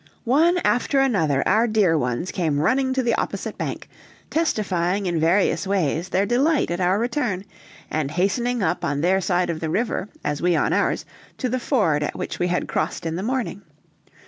One after another our dear ones came running to the opposite bank, testifying in various ways their delight at our return, and hastening up on their side of the river, as we on ours, to the ford at which we had crossed in the morning.